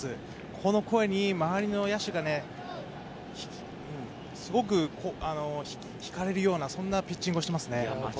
この声に周りの野手がすごくひかれるようなピッチングをしますね。